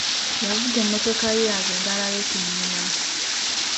Yavuga emmotoka ye agende alabe ku nnyina.